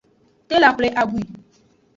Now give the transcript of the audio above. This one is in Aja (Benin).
Tela xwle abwui.